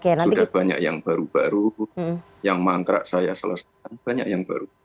sudah banyak yang baru baru yang mangkrak saya selesaikan banyak yang baru